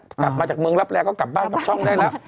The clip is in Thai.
กลับมาจากเมืองรับแรงก็กลับบ้านกลับช่องได้แล้ว